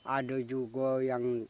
ada juga yang